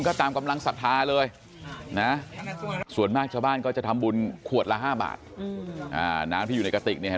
ก็ตามกำลังศรัทธาเลยนะส่วนมากชาวบ้านก็จะทำบุญขวดละ๕บาทน้ำที่อยู่ในกระติกเนี่ยเห็น